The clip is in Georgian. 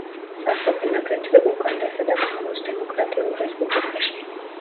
სახლობენ აგრეთვე უგანდასა და კონგოს დემოკრატიულ რესპუბლიკაში.